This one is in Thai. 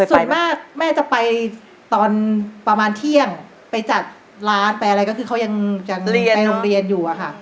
ส่วนมากแม่จะไปตอนประมาณเที่ยงไปจัดร้านไปอะไรก็คือเขายังจะเรียนโรงเรียนอยู่อะค่ะ